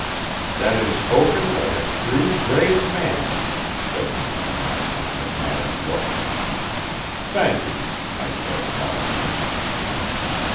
"That is spoken like a true, brave man," said Mrs. Knapp with an admiring look. "Thank you," I said modestly.